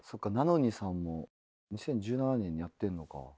なのにさんも２０１７年にやってんのか。